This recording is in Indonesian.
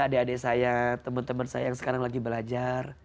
adik adik saya teman teman saya yang sekarang lagi belajar